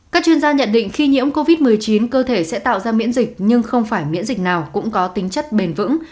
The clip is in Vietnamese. các chuyên gia nhận định khi nhiễm covid một mươi chín cơ thể sẽ tạo ra miễn dịch nhưng không phải miễn dịch nào cũng có tính chất bền vững